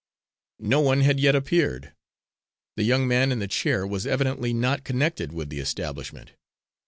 No one had yet appeared. The young man in the chair was evidently not connected with the establishment.